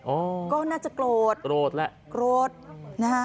ก็น่าจะโกรธโกรธแหละโกรธนะฮะ